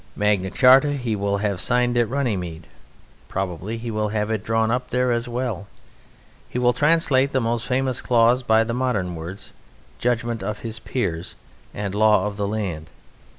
Magna Charta he will have signed at Runnymede probably he will have it drawn up there as well. He will translate the most famous clause by the modern words "Judgment of his peers" and "law of the land."